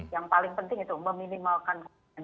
yang paling penting itu meminimalkan kepentingan